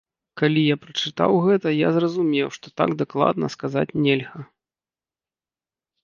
Калі я прачытаў гэта, я зразумеў, што так дакладна сказаць нельга.